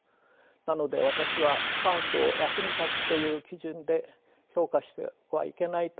なので私は科学を役に立つという基準で評価してはいけないと思うのです。